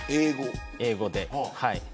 英語で。